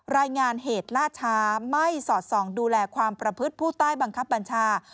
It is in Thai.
รายงานเหตุล่าช้าไม่สอดส่องดูแลความประพฤติผู้ใต้บังคับบัญชา